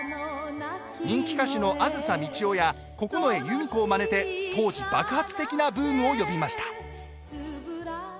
人気歌手の梓みちよや九重佑三子をまねて、当時爆発的なブームを呼びました。